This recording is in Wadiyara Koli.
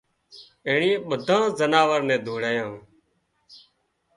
اينڻيئي ٻڌانئي زناوران نين تيڙايان